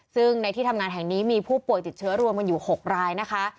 ซึ่งในที่ทำงานแห่งนี้มีผู้ป่วยติดเชื้อรวมกันอยู่๖รายนะคะ